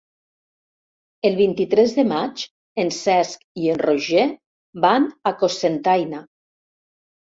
El vint-i-tres de maig en Cesc i en Roger van a Cocentaina.